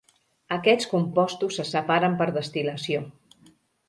Aquests compostos se separen per destil·lació.